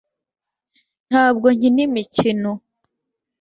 ntabwo nkina imikino